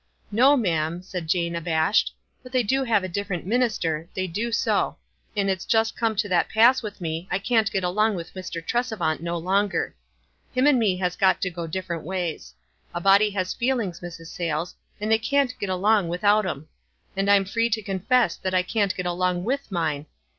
" No, ma'am," said Jane, ahashed. " But they do have a different minister, they do so ; and it's just come to that pass with me, I can't get along with Mr. Tresevant no longer. Him and me has got to go different ways. A body has feelings, Mrs. Sayles, and they can't get along without 'em ; and I'm free to confess I can't get along luith mine.